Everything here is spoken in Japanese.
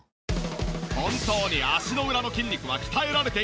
本当に足の裏の筋肉は鍛えられているのか？